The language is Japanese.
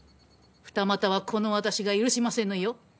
二股はこの私が許しませぬよ。